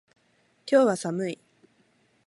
今日は寒い。